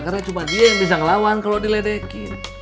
karena cuma dia yang bisa ngelawan kalau di ledekin